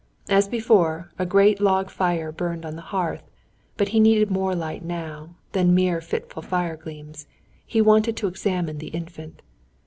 As before, a great log fire burned on the hearth; but he needed more light now, than mere fitful fire gleams. He wanted to examine the Infant.